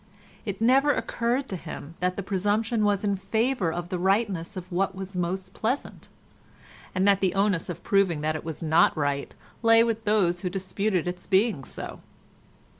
It never occurred to him that the presumption was in favour of the rightness of what was most pleasant, and that the onus of proving that it was not right lay with those who disputed its being so.